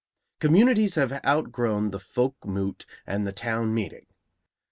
Communities have outgrown the folk moot and the town meeting.